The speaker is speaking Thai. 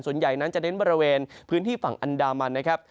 ส่วนใหญ่นั้นจะเน้นบริเวณพื้นที่ฝั่งอันดามันนะครับ